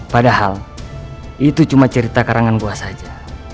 padahal itu cuma cerita karangan gua saja